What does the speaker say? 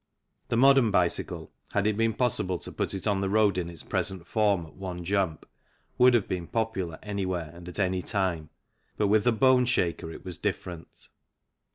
The modern bicycle, had it been possible to put it on the road in its present form at one jump, would have been popular anywhere and at any time, but with the bone shaker it was different.